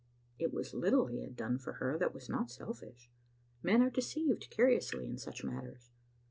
It was little he had done for her that was not selfish. Men are deceived curiously in such matters.